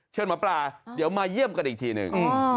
หมอปลาเดี๋ยวมาเยี่ยมกันอีกทีหนึ่ง